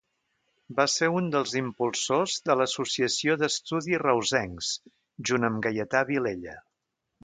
Va ser un dels impulsors de l'Associació d'Estudis Reusencs, junt amb Gaietà Vilella.